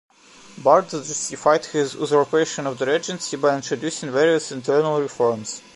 Bardas justified his usurpation of the regency by introducing various internal reforms.